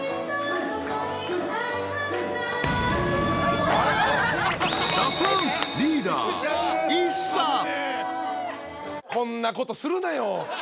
こんなことするなよ。